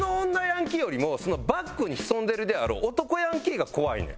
ヤンキーよりもそのバックに潜んでいるであろう男ヤンキーが怖いねん。